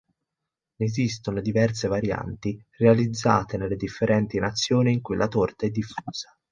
Ne esistono diverse varianti, realizzate nelle differenti nazioni in cui la torta è diffusa.